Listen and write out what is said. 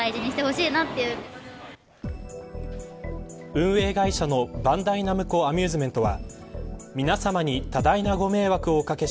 運営会社のバンダイナムコアミューズメントは。